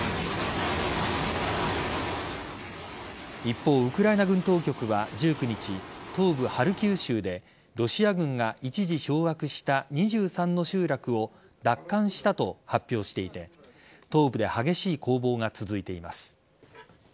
一方、ウクライナ軍当局は１９日東部・ハルキウ州でロシア軍が一時掌握した２３の集落を奪還したと発表していて東部で激しい攻防が続いています。